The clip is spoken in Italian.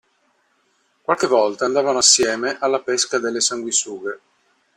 Qualche volta andavano assieme alla pesca delle sanguisughe.